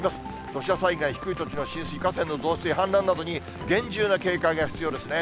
土砂災害、低い土地の浸水、河川の増水、氾濫などに厳重な警戒が必要ですね。